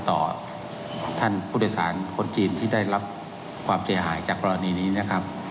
ต่อท่านผู้โดยสารคนจีนที่ได้รับความเสียหายจากกรณีนี้นะครับ